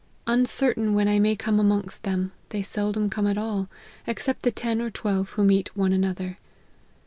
Uncertain when I may come amongst them, they seldom come at all, ex cept the ten or twelve who meet one another.